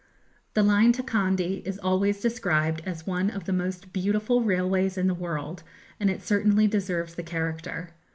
The line to Kandy is always described as one of the most beautiful railways in the world, and it certainly deserves the character.